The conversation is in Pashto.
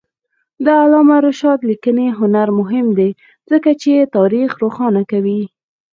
د علامه رشاد لیکنی هنر مهم دی ځکه چې تاریخ روښانه کوي.